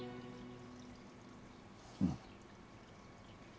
うん。